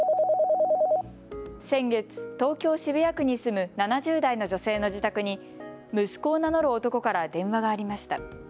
先月、東京・渋谷区に住む７０代の女性の自宅に息子を名乗る男から電話がありました。